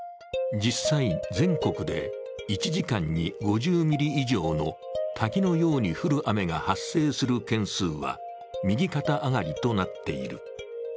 実際、全国で１時間に５０ミリ以上の滝のように降る雨が発生する件数は右肩上がりとなっている。